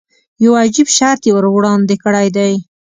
یو عجیب شرط یې وړاندې کړی دی.